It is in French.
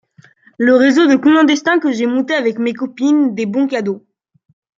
le réseau de clandestins que j'ai monté avec mes copines des bons cadeaux.